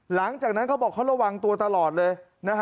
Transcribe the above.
หลังจากนั้นเขาบอกเขาระวังตัวตลอดเลย